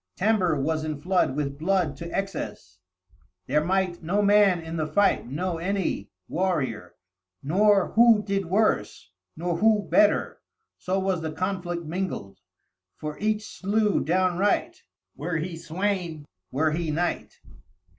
Tambre was in flood with blood to excess; there might no man in the fight know any warrior, nor who did worse, nor who better, so was the conflict mingled! For each slew downright, were he swain, were he knight.